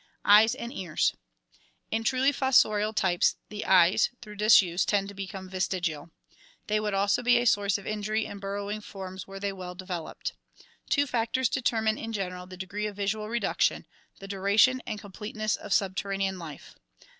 Eyes and Ears. — In truly fossorial types the eyes, through dis use, tend to become vestigial. They would also be a source of injury in burrowing forms were they well developed. Two factors deter mine in general the degree of visual reduction, the duration and completeness of subterranean life.